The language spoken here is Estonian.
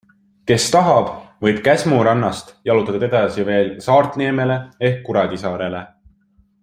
Kes tahab, võib Käsmu rannast jalutada edasi veel Saartneemele ehk Kuradisaarele.